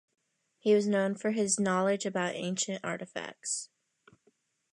He was known for his knowledge about ancient artifacts.